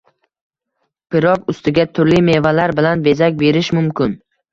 Pirog ustiga turli mevalar bilan bezak berish mumkin